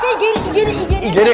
igd igd igd